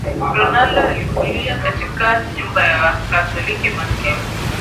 Ronaldo alikulia katika nyumba ya wakatoliki maskini